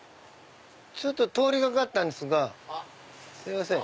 ちょっと通り掛かったんですがすいません。